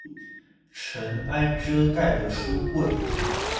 塵埃遮蓋了書櫃